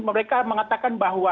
mereka mengatakan bahwa